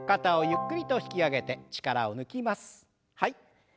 ゆっくりと引き上げて。